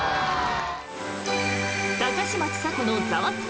「高嶋ちさ子のザワつく！